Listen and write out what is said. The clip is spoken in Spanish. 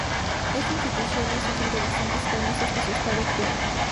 Esta institución ha sufrido bastantes cambios hasta su estado actual.